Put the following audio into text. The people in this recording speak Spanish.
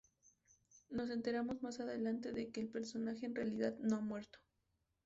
Nos enteramos más adelante de que el personaje en realidad no ha muerto.